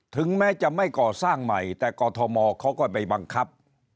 ถึงแม้จะไม่ก่อสร้างใหม่แต่กอทมเขาก็ไปบังคับ